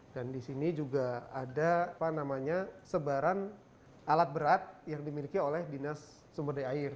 dan di sini juga ada sebaran alat berat yang dimiliki oleh dinas sumberdaya air